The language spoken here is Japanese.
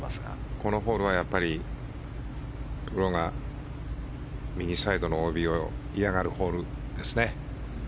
このホールは右サイドのＯＢを嫌がるホールですね。